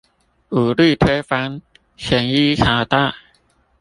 武力推翻前一朝代